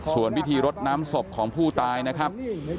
ส่วนพิธีรดน้ำศพของผู้ตายนะครับ